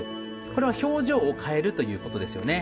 これは表情を変えるということですよね。